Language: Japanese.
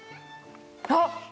あっ。